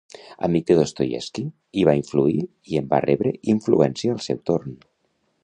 Amic de Dostoievski, hi va influir i en va rebre influència al seu torn.